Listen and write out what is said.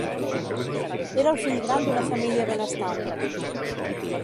Era el fill gran d'una família benestant.